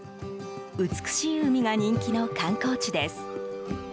美しい海が人気の観光地です。